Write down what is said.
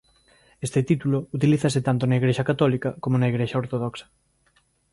Este título utilízase tanto na Igrexa católica como na Igrexa ortodoxa.